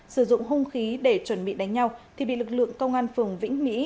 sử dụng hung khí để chuẩn bị đánh nhau thì bị lực lượng công an phường vĩnh mỹ